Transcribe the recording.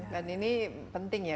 dan ini penting ya